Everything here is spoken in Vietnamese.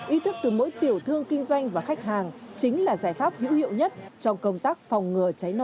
ý thức từ mỗi tiểu thương kinh doanh và khách hàng chính là giải pháp hữu hiệu nhất trong công tác phòng ngừa cháy nổ